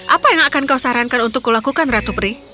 apa yang akan kau sarankan untuk kulakukan ratu prih